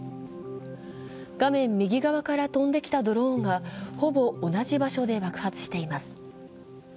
画面右側から飛んできたドローンがほぼ同じ場所で爆発しています。